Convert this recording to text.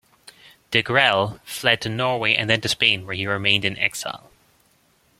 Degrelle fled to Norway and then to Spain, where he remained in exile.